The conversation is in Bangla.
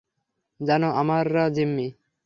জানো, আমরা জিম্মি?